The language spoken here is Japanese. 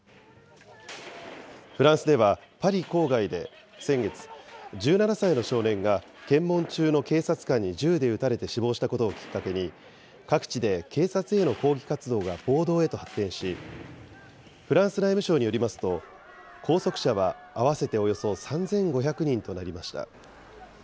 フランスでは、パリ郊外で先月、１７歳の少年が検問中の警察官に銃で撃たれて死亡したことをきっかけに、各地で警察への抗議活動が暴動へと発展し、フランス内務省によりますと、拘束者は合わせておよそ３５００人となりました。